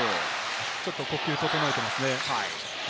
ちょっと呼吸を整えていますよね。